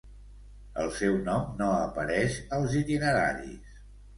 El seu nom no apareix als Itineraris.